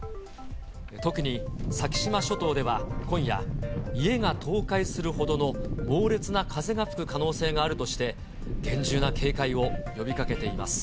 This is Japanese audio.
特に先島諸島では今夜、家が倒壊するほどの猛烈な風が吹く可能性があるとして、厳重な警